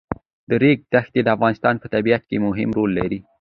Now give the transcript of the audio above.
د ریګ دښتې د افغانستان په طبیعت کې مهم رول لري.